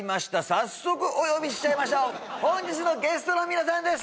早速お呼びしちゃいましょう本日のゲストの皆さんです